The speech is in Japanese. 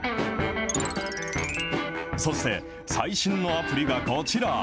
そして最新のアプリがこちら。